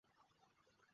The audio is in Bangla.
এরা খুব লাজুক পাখি।